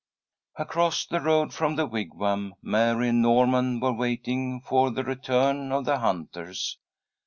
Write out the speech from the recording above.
Across the road from the Wigwam, Mary and Norman were waiting for the return of the hunters.